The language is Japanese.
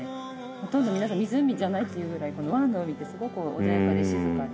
ほとんど皆さん湖じゃないっていうくらいこの湾の海ってすごく穏やかで静かで。